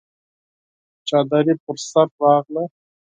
چادري پر سر راغله!